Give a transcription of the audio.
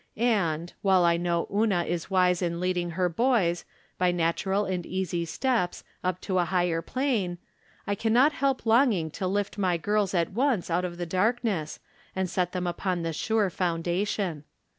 And, while I know Una is wise in leading her boys, by natural and easy steps, up so a higher plane, I can not help longing to lift my girls at once out of the darkness, and set them upon the sure foun dation.